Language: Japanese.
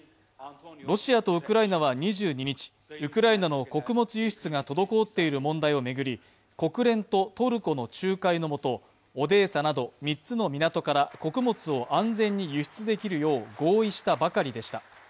ロシアとウクライナは２２日、ウクライナの穀物輸出が滞っている問題を巡り、国連とトルコの仲介の下オデーサなど３つの港から穀物を安全に輸出できるよう合意したばかりでした。